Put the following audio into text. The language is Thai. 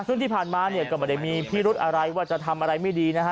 ซึ่งที่ผ่านมาเนี่ยก็ไม่ได้มีพิรุธอะไรว่าจะทำอะไรไม่ดีนะฮะ